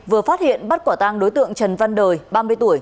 vừa phát hiện bắt quả tang đối tượng trần văn đời ba mươi tuổi